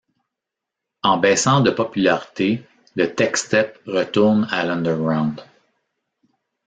En baissant en popularité le techstep retourne à l'underground.